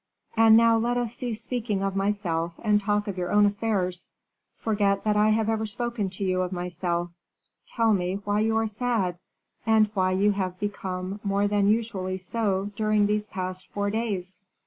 And now let us cease speaking of myself, and talk of your own affairs. Forget that I have ever spoken to you of myself, tell me why you are sad, and why you have become more than usually so during these past four days?"